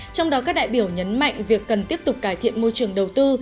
trong đó các đại biểu nhấn mạnh việc cần tiếp tục cải thiện môi trường đầu tư